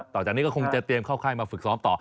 ต่อจากนี้ก็คงจะเตรียมเข้าค่ายมาฝึกซ้อมต่อ